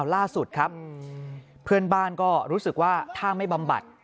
ล่าสุดครับเพื่อนบ้านก็รู้สึกว่าถ้าไม่บำบัด